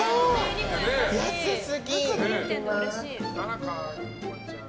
安すぎん？